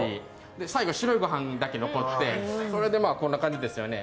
最後、白いご飯だけ残ってそれでこんな感じですよね。